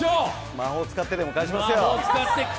魔法を使ってでも勝ちますよ！